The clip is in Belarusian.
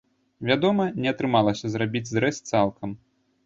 Вядома, не атрымалася зрабіць зрэз цалкам.